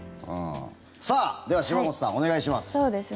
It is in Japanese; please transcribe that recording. さあ、では島本さんお願いします。